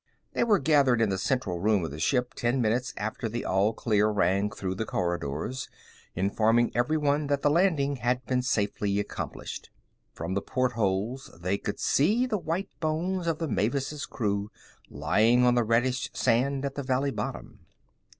They were gathered in the central room of the ship ten minutes after the all clear rang through the corridors, informing everyone that the landing had been safely accomplished. From the portholes they could see the white bones of the Mavis's crew lying on the reddish sand of the valley bottom.